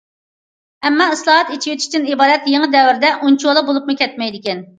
ئەمما ئىسلاھات- ئېچىۋېتىشتىن ئىبارەت يېڭى دەۋردە ئۇنچىۋالا بولۇپمۇ كەتمەيدىكەن.